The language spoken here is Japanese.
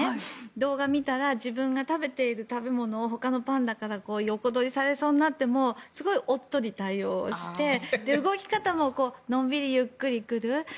動画を見たら自分が食べている食べ物をほかのパンダが横取りされそうになってもすごいおっとり対応して動き方ものんびりゆっくり来る。